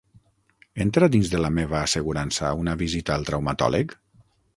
Entra dins de la meva assegurança una visita al traumatòleg?